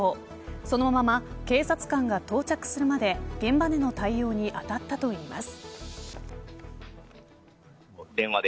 そのまま警察官が到着するまで現場での対応に当たったといいます。